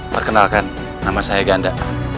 perkenalkan nama saya ganda